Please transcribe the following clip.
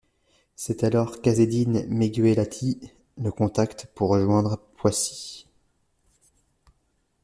C'est alors qu'Azzedine Meguellatti le contacte pour rejoindre Poissy.